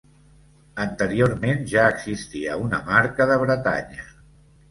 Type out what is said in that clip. Anteriorment ja existia una Marca de Bretanya.